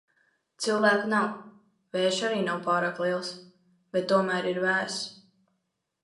Cilvēku nav. Vējš arī nav pārāk liels, bet tomēr ir vēss.